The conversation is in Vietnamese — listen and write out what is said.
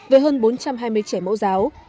với hơn bốn trăm hai mươi trẻ mẫu giáo